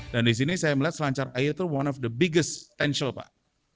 dan disini saya melihat selancar air itu one of the biggest potential pak